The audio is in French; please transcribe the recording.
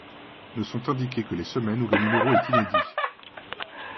Ne sont indiquées que les semaines où le numéro est inédit.